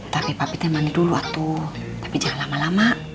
tapi papi teman dulu waktu tapi jangan lama lama